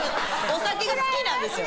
お酒が好きなんですよ